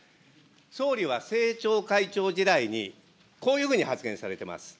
総理は政調会長時代に、こういうふうに発言されてます。